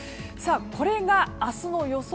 これが明日の予想